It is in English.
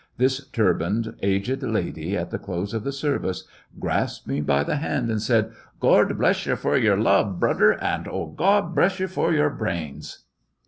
This turbaned, aged woman at the close of the services grasped me by the hand and said, "Gord bress yer fer yer lub, bruder, an' oh, Gord bress yer fer yer brains